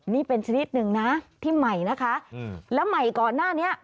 นี่เป็นชนิดหนึ่งนะที่ใหม่นะคะแล้วใหม่ก่อนหน้านี้